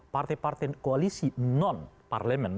partai partai koalisi non parlemen